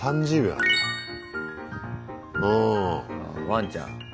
ワンちゃん。